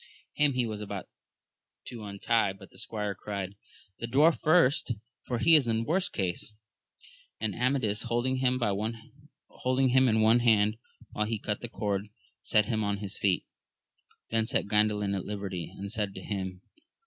Him he was about to untie, but the squire cried, The dwarf first, for he is in worst case ; and Amadis holdmg him in one hand while he cut the cord, set him on his feet ; then set Gandalin at liberty, and said to him.